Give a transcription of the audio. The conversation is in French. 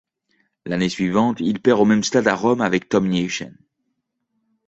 L'année suivante, il perd au même stade à Rome avec Tom Nijssen.